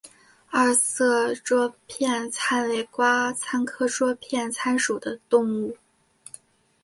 二色桌片参为瓜参科桌片参属的动物。